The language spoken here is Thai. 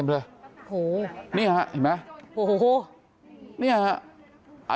โอ้โฮนี่ครับ